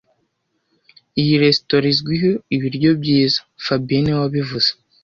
Iyi resitora izwiho ibiryo byiza fabien niwe wabivuze